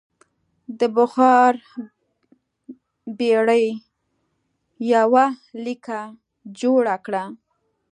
د بخار بېړۍ یوه لیکه جوړه کړه.